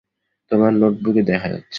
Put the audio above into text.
তোমার নোটবুকে দেখা যাচ্ছে।